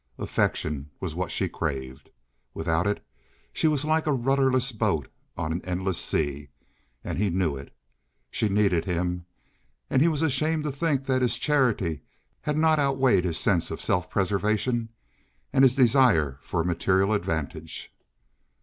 Affection was what she craved. Without it she was like a rudderless boat on an endless sea, and he knew it. She needed him, and he was ashamed to think that his charity had not outweighed his sense of self preservation and his desire for material advantage.